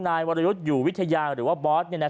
นายวรยุทธ์อยู่วิทยาหรือว่าบอส